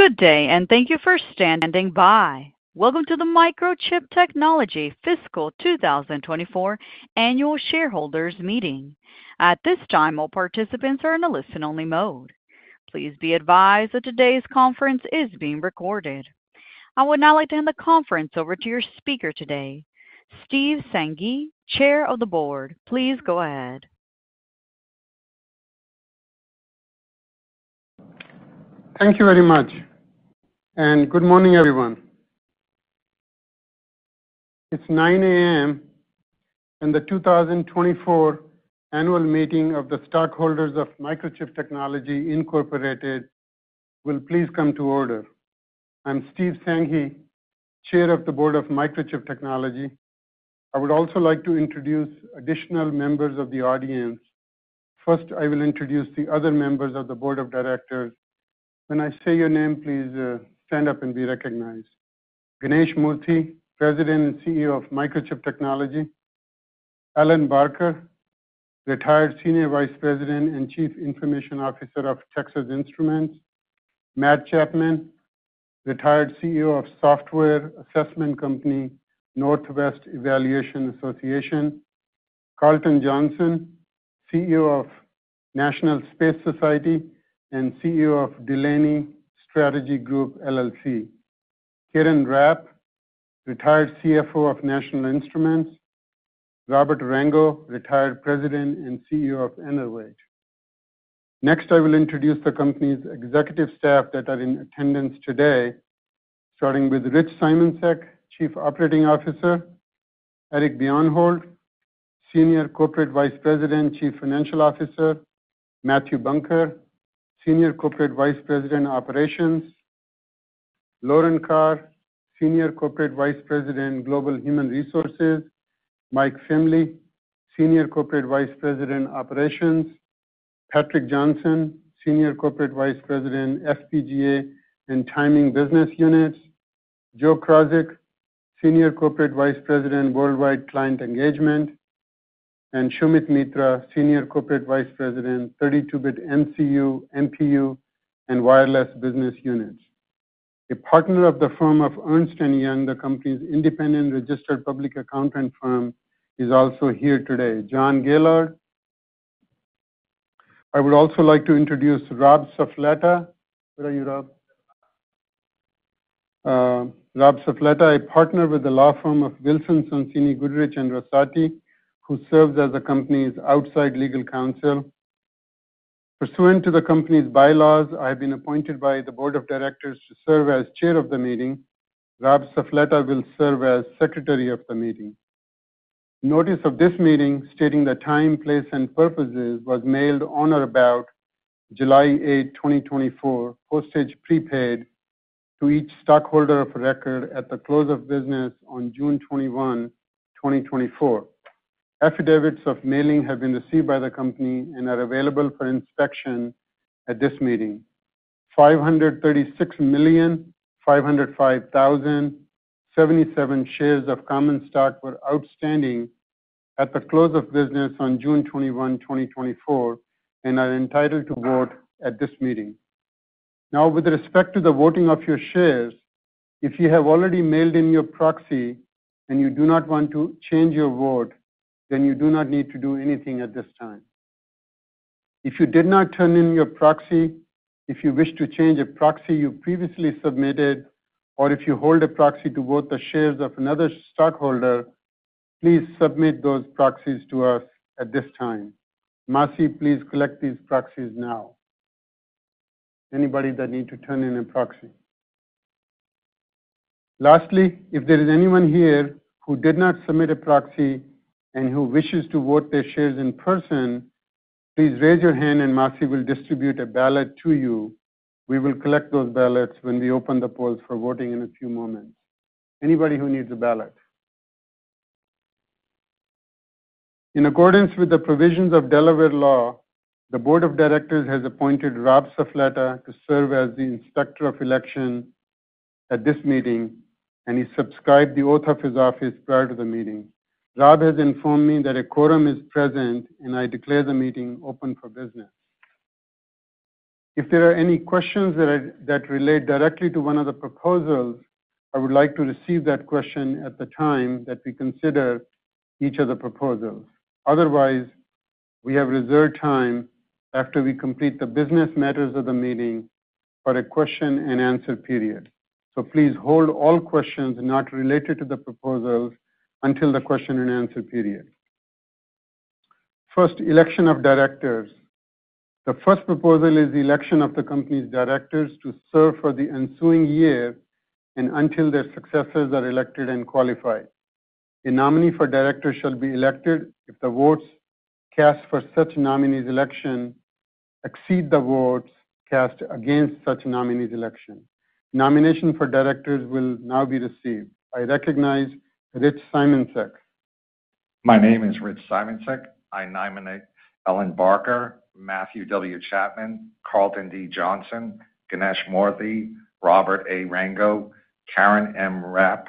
Good day, and thank you for standing by. Welcome to the Microchip Technology Fiscal 2024 Annual Shareholders Meeting. At this time, all participants are in a listen-only mode. Please be advised that today's conference is being recorded. I would now like to hand the conference over to your speaker today, Steve Sanghi, Chair of the Board. Please go ahead. Thank you very much, and good morning, everyone. It's 9:00 A.M., and the 2024 Annual Meeting of the Stockholders of Microchip Technology, Incorporated, will please come to order. I'm Steve Sanghi, Chair of the Board of Microchip Technology. I would also like to introduce additional members of the audience. First, I will introduce the other members of the board of directors. When I say your name, please, stand up and be recognized. Ganesh Moorthy, President and CEO of Microchip Technology. Alan Barker, Retired Senior Vice President and Chief Information Officer of Texas Instruments. Matt Chapman, Retired CEO of software assessment company, Northwest Evaluation Association. Carlton Johnson, CEO of National Space Society and CEO of Delaney Strategy Group, LLC. Karen Rapp, Retired CFO of National Instruments. Robert Rango, Retired President and CEO of Enecsys. Next, I will introduce the company's executive staff that are in attendance today, starting with Rich Simoncic, Chief Operating Officer. Eric Bjornholt, Senior Corporate Vice President and Chief Financial Officer. Matthew Bunker, Senior Corporate Vice President, Operations. Lauren Carr, Senior Corporate Vice President, Global Human Resources. Mike Finley, Senior Corporate Vice President, Operations. Patrick Johnson, Senior Corporate Vice President, FPGA and Timing Business Units. Joe Krawczyk, Senior Corporate Vice President, Worldwide Client Engagement, and Sumit Mitra, Senior Corporate Vice President, 32-bit MCU, MPU, and Wireless Business Units. A partner of the firm of Ernst & Young, the company's independent registered public accounting firm, is also here today, John Gaillard. I would also like to introduce Rob Suffoletta. Where are you, Rob? Rob Suffoletta, a partner with the law firm of Wilson Sonsini Goodrich & Rosati, who serves as the company's outside legal counsel. Pursuant to the company's bylaws, I have been appointed by the board of directors to serve as chair of the meeting. Rob Suffoletta will serve as secretary of the meeting. Notice of this meeting, stating the time, place, and purposes, was mailed on or about July eighth, twenty twenty-four, postage prepaid, to each stockholder of record at the close of business on June twenty-one, twenty twenty-four. Affidavits of mailing have been received by the company and are available for inspection at this meeting. Five hundred thirty-six million, five hundred five thousand, seventy-seven shares of common stock were outstanding at the close of business on June twenty-one, twenty twenty-four, and are entitled to vote at this meeting. Now, with respect to the voting of your shares, if you have already mailed in your proxy and you do not want to change your vote, then you do not need to do anything at this time. If you did not turn in your proxy, if you wish to change a proxy you previously submitted, or if you hold a proxy to vote the shares of another stockholder, please submit those proxies to us at this time. Marcy, please collect these proxies now. Anybody that need to turn in a proxy? Lastly, if there is anyone here who did not submit a proxy and who wishes to vote their shares in person, please raise your hand, and Marcy will distribute a ballot to you. We will collect those ballots when we open the polls for voting in a few moments. Anybody who needs a ballot? In accordance with the provisions of Delaware law, the board of directors has appointed Rob Suffoletta to serve as the Inspector of Election at this meeting, and he subscribed the oath of his office prior to the meeting. Rob has informed me that a quorum is present, and I declare the meeting open for business. If there are any questions that relate directly to one of the proposals, I would like to receive that question at the time that we consider each of the proposals. Otherwise, we have reserved time after we complete the business matters of the meeting for a question-and-answer period. So please hold all questions not related to the proposals until the question-and-answer period. First, election of directors. The first proposal is the election of the company's directors to serve for the ensuing year and until their successors are elected and qualified. A nominee for director shall be elected if the votes cast for such nominee's election exceed the votes cast against such nominee's election. Nomination for directors will now be received. I recognize Rich Simoncic. My name is Rich Simoncic. I nominate Alan Barker, Matthew W. Chapman, Carlton D. Johnson, Ganesh Moorthy, Robert A. Rango, Karen M. Rapp,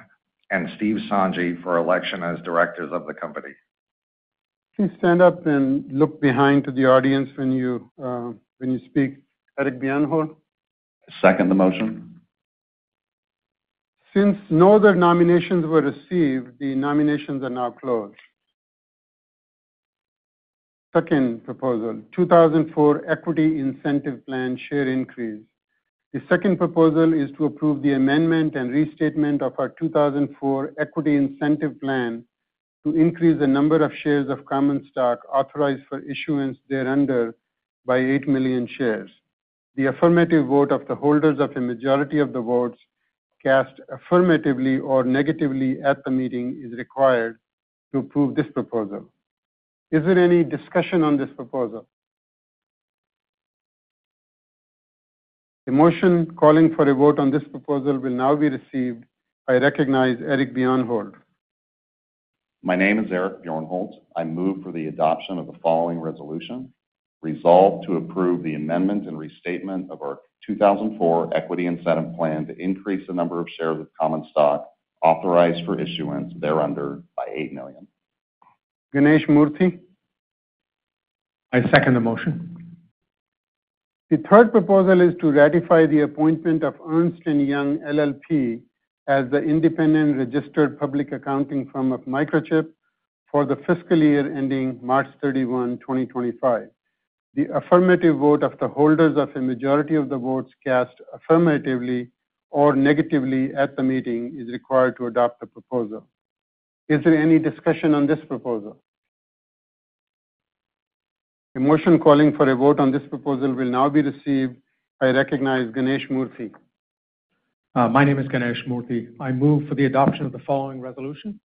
and Steve Sanghi for election as directors of the company.... Please stand up and look behind to the audience when you, when you speak. Eric Bjornholt? I second the motion. Since no other nominations were received, the nominations are now closed. Second proposal, 2004 Equity Incentive Plan share increase. The second proposal is to approve the amendment and restatement of our 2004 Equity Incentive Plan, to increase the number of shares of common stock authorized for issuance thereunder by 8 million shares. The affirmative vote of the holders of a majority of the votes cast affirmatively or negatively at the meeting is required to approve this proposal. Is there any discussion on this proposal? A motion calling for a vote on this proposal will now be received. I recognize Eric Bjornholt. My name is Eric Bjornholt. I move for the adoption of the following resolution: Resolved to approve the amendment and restatement of our 2004 Equity Incentive Plan to increase the number of shares of common stock authorized for issuance thereunder by eight million. Ganesh Moorthy? I second the motion. The third proposal is to ratify the appointment of Ernst & Young LLP as the independent registered public accounting firm of Microchip for the fiscal year ending March 31, 2025. The affirmative vote of the holders of a majority of the votes cast affirmatively or negatively at the meeting is required to adopt the proposal. Is there any discussion on this proposal? A motion calling for a vote on this proposal will now be received. I recognize Ganesh Moorthy. My name is Ganesh Moorthy. I move for the adoption of the following resolution.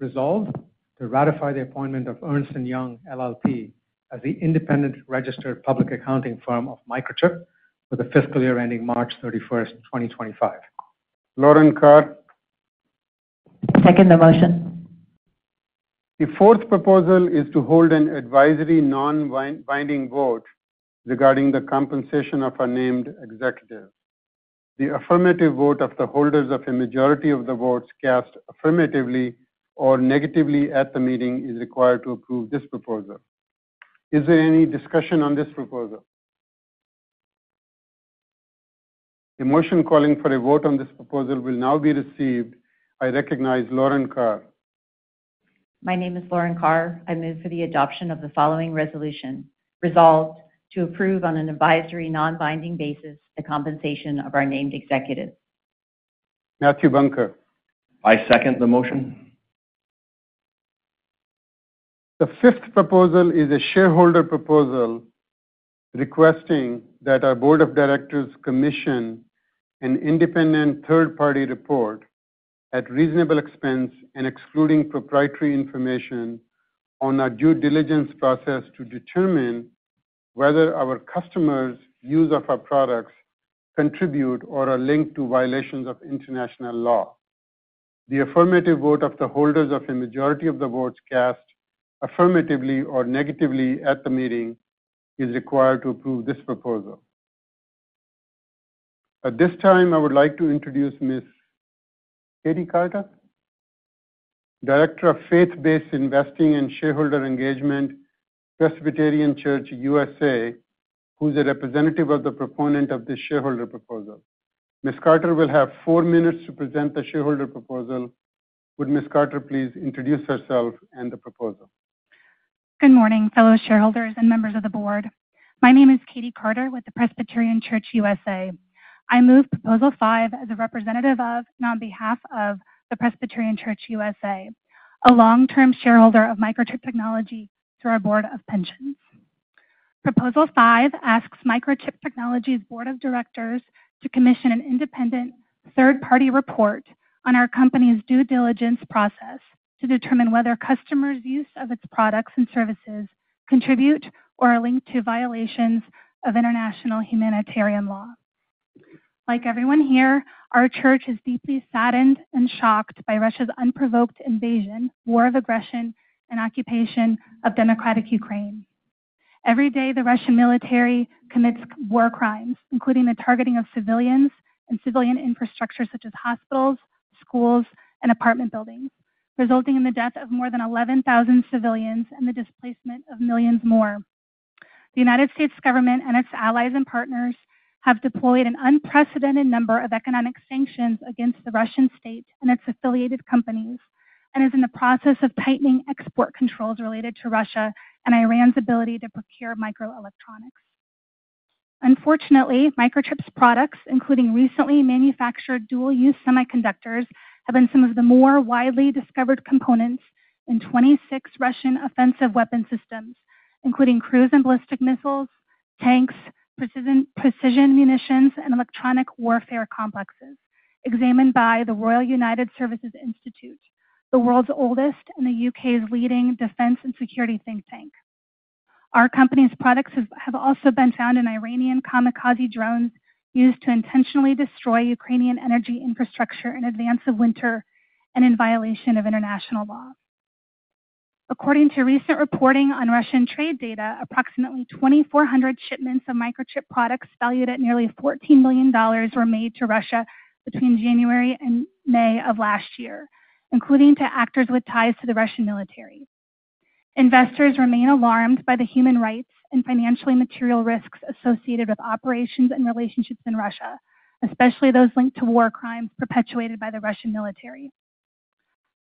Resolved to ratify the appointment of Ernst & Young LLP as the independent registered public accounting firm of Microchip for the fiscal year ending March thirty-first, twenty twenty-five. Lauren Carr? I second the motion. The fourth proposal is to hold an advisory non-binding vote regarding the compensation of our named executives. The affirmative vote of the holders of a majority of the votes cast affirmatively or negatively at the meeting is required to approve this proposal. Is there any discussion on this proposal? A motion calling for a vote on this proposal will now be received. I recognize Lauren Carr. My name is Lauren Carr. I move for the adoption of the following resolution. Resolved to approve on an advisory non-binding basis, the compensation of our named executive. Matthew Bunker? I second the motion. The fifth proposal is a shareholder proposal requesting that our board of directors commission an independent third-party report at reasonable expense and excluding proprietary information on our due diligence process, to determine whether our customers' use of our products contribute or are linked to violations of international law. The affirmative vote of the holders of a majority of the votes cast affirmatively or negatively at the meeting is required to approve this proposal. At this time, I would like to introduce Ms. Katie Carter, Director of Faith-Based Investing and Shareholder Engagement, Presbyterian Church (USA), who's a representative of the proponent of this shareholder proposal. Ms. Carter will have four minutes to present the shareholder proposal. Would Ms. Carter please introduce herself and the proposal? Good morning, fellow shareholders and members of the board. My name is Katie Carter with the Presbyterian Church (USA). I move Proposal Five as a representative of, and on behalf of, the Presbyterian Church (USA), a long-term shareholder of Microchip Technology, through our Board of Pensions. Proposal Five asks Microchip Technology's board of directors to commission an independent third-party report on our company's due diligence process, to determine whether customers' use of its products and services contribute or are linked to violations of international humanitarian law. Like everyone here, our church is deeply saddened and shocked by Russia's unprovoked invasion, war of aggression, and occupation of democratic Ukraine. Every day, the Russian military commits war crimes, including the targeting of civilians and civilian infrastructure, such as hospitals, schools, and apartment buildings, resulting in the death of more than eleven thousand civilians and the displacement of millions more. The United States government and its allies and partners have deployed an unprecedented number of economic sanctions against the Russian state and its affiliated companies, and is in the process of tightening export controls related to Russia and Iran's ability to procure microelectronics. Unfortunately, Microchip's products, including recently manufactured dual-use semiconductors, have been some of the more widely discovered components in twenty-six Russian offensive weapon systems, including cruise and ballistic missiles, tanks, precision, precision munitions, and electronic warfare complexes, examined by the Royal United Services Institute, the world's oldest and the U.K.'s leading defense and security think tank. Our company's products have also been found in Iranian kamikaze drones, used to intentionally destroy Ukrainian energy infrastructure in advance of winter and in violation of international law. According to recent reporting on Russian trade data, approximately 2,400 shipments of Microchip products, valued at nearly $14 million, were made to Russia between January and May of last year, including to actors with ties to the Russian military. Investors remain alarmed by the human rights and financially material risks associated with operations and relationships in Russia, especially those linked to war crimes perpetuated by the Russian military.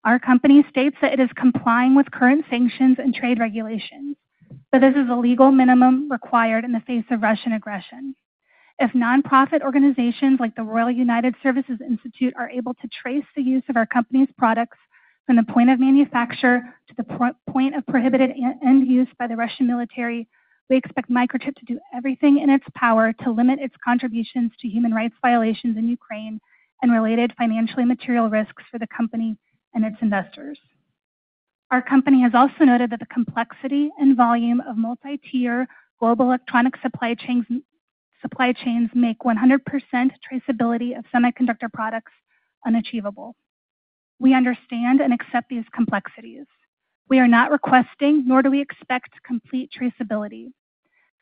Our company states that it is complying with current sanctions and trade regulations, but this is a legal minimum required in the face of Russian aggression. If nonprofit organizations like the Royal United Services Institute are able to trace the use of our company's products from the point of manufacture to the point of prohibited end use by the Russian military, we expect Microchip to do everything in its power to limit its contributions to human rights violations in Ukraine and related financially material risks for the company and its investors. Our company has also noted that the complexity and volume of multi-tier global electronic supply chains make 100% traceability of semiconductor products unachievable. We understand and accept these complexities. We are not requesting, nor do we expect complete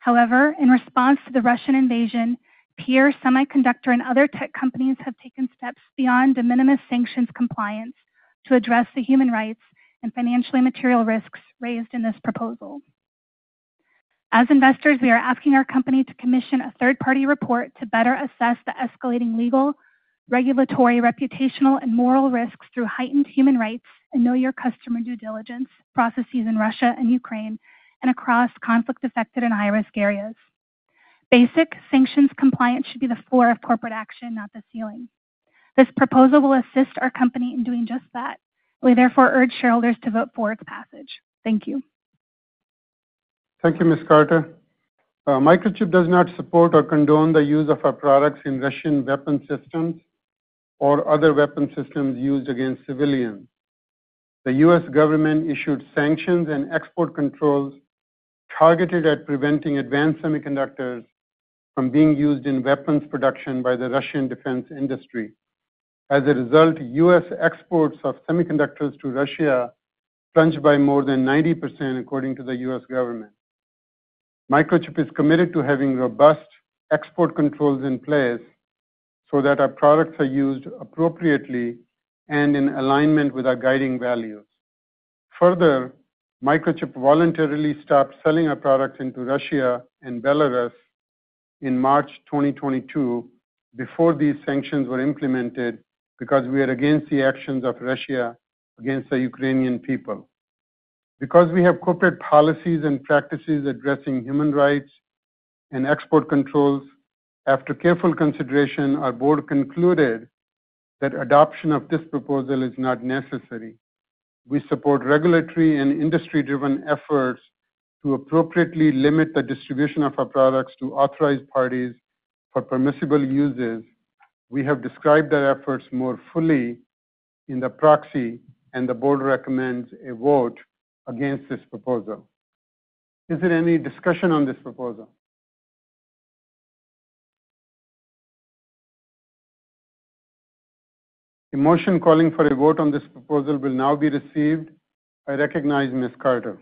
traceability. However, in response to the Russian invasion, peer, semiconductor, and other tech companies have taken steps beyond de minimis sanctions compliance to address the human rights and financially material risks raised in this proposal. As investors, we are asking our company to commission a third-party report to better assess the escalating legal, regulatory, reputational, and moral risks through heightened human rights and know your customer due diligence processes in Russia and Ukraine and across conflict-affected and high-risk areas. Basic sanctions compliance should be the floor of corporate action, not the ceiling. This proposal will assist our company in doing just that. We therefore urge shareholders to vote for its passage. Thank you. Thank you, Ms. Carter. Microchip does not support or condone the use of our products in Russian weapon systems or other weapon systems used against civilians. The U.S. government issued sanctions and export controls targeted at preventing advanced semiconductors from being used in weapons production by the Russian defense industry. As a result, U.S. exports of semiconductors to Russia plunged by more than 90%, according to the U.S. government. Microchip is committed to having robust export controls in place so that our products are used appropriately and in alignment with our guiding values. Further, Microchip voluntarily stopped selling our products into Russia and Belarus in March 2022, before these sanctions were implemented, because we are against the actions of Russia against the Ukrainian people. Because we have corporate policies and practices addressing human rights and export controls, after careful consideration, our board concluded that adoption of this proposal is not necessary. We support regulatory and industry-driven efforts to appropriately limit the distribution of our products to authorized parties for permissible uses. We have described their efforts more fully in the proxy, and the board recommends a vote against this proposal. Is there any discussion on this proposal? A motion calling for a vote on this proposal will now be received. I recognize Ms. Carter.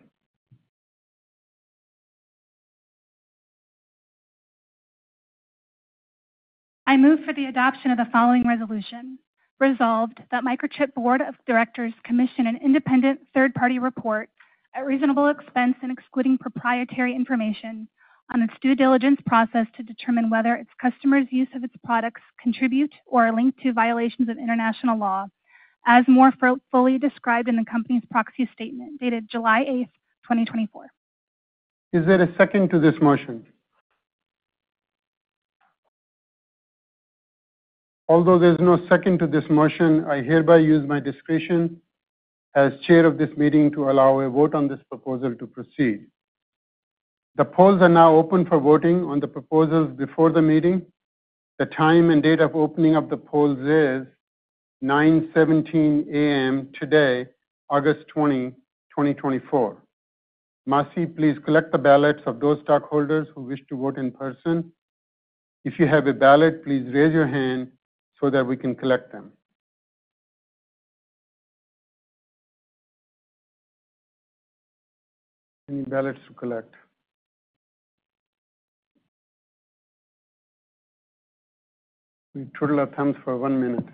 I move for the adoption of the following resolution. Resolved that Microchip's Board of Directors commission an independent third-party report at reasonable expense and excluding proprietary information on its due diligence process to determine whether its customers' use of its products contribute or are linked to violations of international law, as more fully described in the company's proxy statement, dated July eighth, twenty twenty-four. Is there a second to this motion? Although there's no second to this motion, I hereby use my discretion as chair of this meeting to allow a vote on this proposal to proceed. The polls are now open for voting on the proposals before the meeting. The time and date of opening of the polls is 9:17 A.M. today, August 20, 2024. Marcy, please collect the ballots of those stockholders who wish to vote in person. If you have a ballot, please raise your hand so that we can collect them. Any ballots to collect? We twiddle our thumbs for one minute.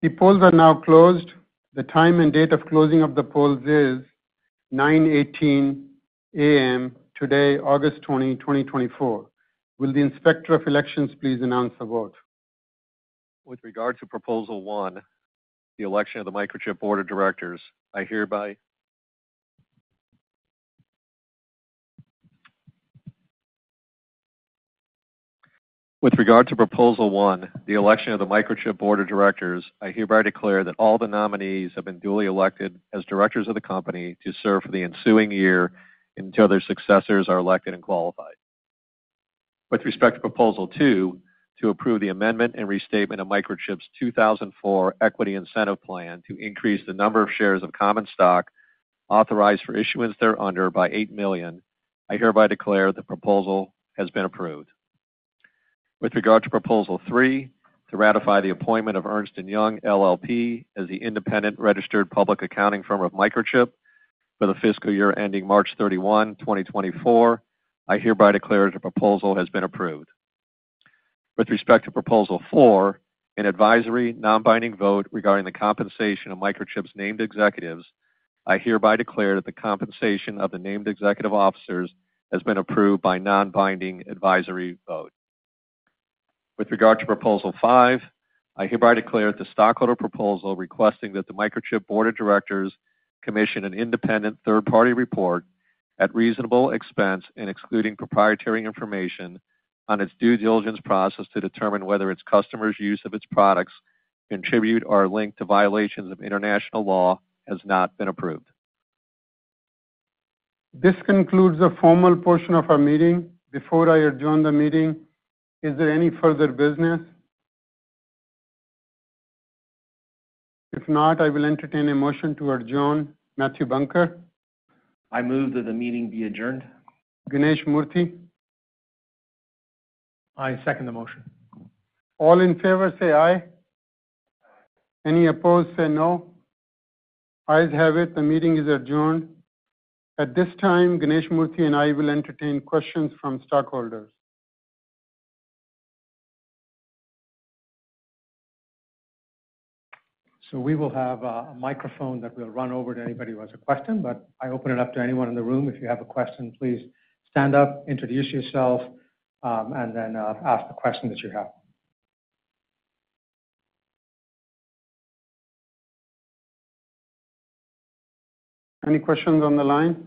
The polls are now closed. The time and date of closing of the polls is 9:18 A.M. today, August 20, 2024. Will the Inspector of Elections please announce the vote? With regard to Proposal One, the election of the Microchip board of directors, I hereby declare that all the nominees have been duly elected as directors of the company to serve for the ensuing year until their successors are elected and qualified. With respect to Proposal Two, to approve the amendment and restatement of Microchip's 2004 Equity Incentive Plan to increase the number of shares of common stock authorized for issuance thereunder by eight million, I hereby declare the proposal has been approved. With regard to Proposal Three, to ratify the appointment of Ernst & Young LLP as the independent registered public accounting firm of Microchip for the fiscal year ending March thirty-one, twenty twenty-four, I hereby declare that the proposal has been approved. With respect to Proposal Four, an advisory, non-binding vote regarding the compensation of Microchip's named executives, I hereby declare that the compensation of the named executive officers has been approved by non-binding advisory vote. With regard to Proposal Five, I hereby declare that the stockholder proposal requesting that the Microchip Board of Directors commission an independent third-party report at reasonable expense and excluding proprietary information on its due diligence process to determine whether its customers' use of its products contribute or are linked to violations of international law has not been approved. This concludes the formal portion of our meeting. Before I adjourn the meeting, is there any further business? If not, I will entertain a motion to adjourn. Matthew Bunker? I move that the meeting be adjourned. Ganesh Moorthy? I second the motion. All in favor, say aye. Any opposed, say no. Ayes have it. The meeting is adjourned. At this time, Ganesh Moorthy and I will entertain questions from stockholders. So we will have a microphone that we'll run over to anybody who has a question, but I open it up to anyone in the room. If you have a question, please stand up, introduce yourself, and then ask the question that you have. Any questions on the line?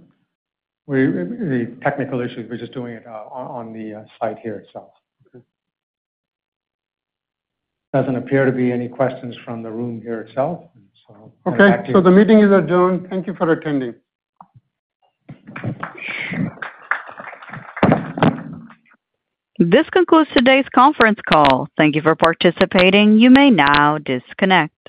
With the technical issues, we're just doing it on the site here itself. Okay. Doesn't appear to be any questions from the room here itself, so- Okay, so the meeting is adjourned. Thank you for attending. This concludes today's conference call. Thank you for participating. You may now disconnect.